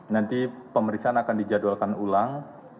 nanti pemeriksaan akan dijadwalkan ulang